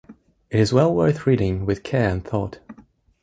It is well worth reading with care and thought.